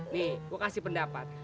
nih gue kasih pendapat